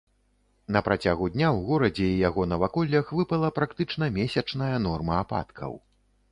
На працягу дня ў горадзе і яго наваколлях выпала практычна месячная норма ападкаў.